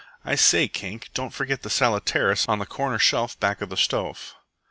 "I say, Kink, don't forget the saleratus on the corner shelf back of the stove."